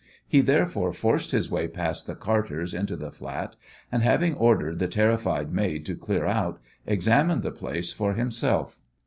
He therefore forced his way past the carters into the flat, and, having ordered the terrified maid to clear out, examined the place for himself.